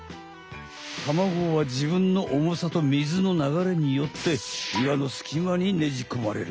たまごはじぶんのおもさとみずのながれによって岩のすきまにねじこまれる。